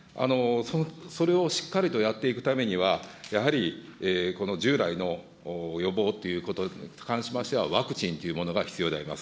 それをしっかりとやっていくためには、やはりこの従来の予防ということに関しましては、ワクチンというものが必要であります。